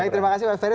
terima kasih pak ferry